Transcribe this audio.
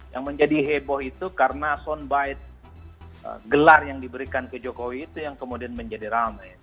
yang menjadi heboh itu karena soundbite gelar yang diberikan ke jokowi itu yang kemudian menjadi rame